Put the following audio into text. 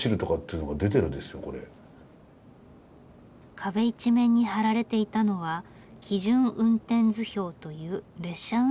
壁一面に貼られていたのは基準運転図表という列車運転のための指示書。